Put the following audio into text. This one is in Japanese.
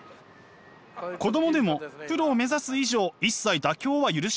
子供でもプロを目指す以上一切妥協は許しません。